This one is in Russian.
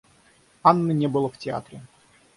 Анны не было в театре.